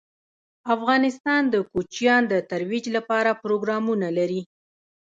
افغانستان د کوچیان د ترویج لپاره پروګرامونه لري.